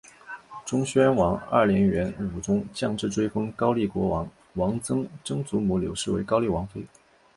忠宣王二年元武宗降制追封高丽国王王璋曾祖母柳氏为高丽王妃。